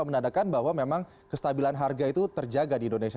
menandakan bahwa memang kestabilan harga itu terjaga di indonesia